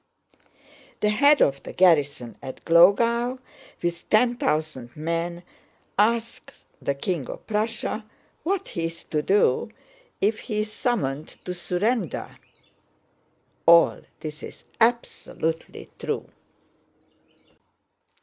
"The head of the garrison at Glogau, with ten thousand men, asks the King of Prussia what he is to do if he is summoned to surrender.... All this is absolutely true.